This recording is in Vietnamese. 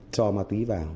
cho ma túy vào